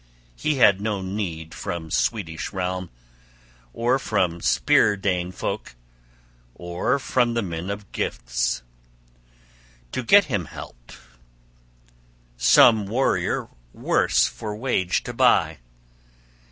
He had no need from Swedish realm, or from Spear Dane folk, or from men of the Gifths, to get him help, some warrior worse for wage to buy!